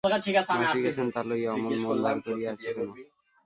মাসি গেছেন, তা লইয়া অমন মন ভার করিয়া আছ কেন।